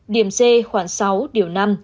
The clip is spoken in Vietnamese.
điểm c khoảng sáu điều sáu